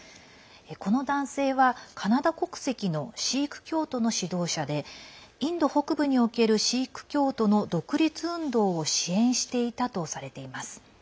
この男性は、カナダ国籍のシーク教徒の指導者でインド北部におけるシーク教徒の独立運動を支援していたとされています。